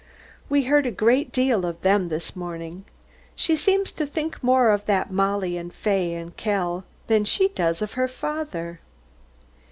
We heard a great deal of them this morning. She seems to think more of that Mollie and Fay and Kell than she does of her father.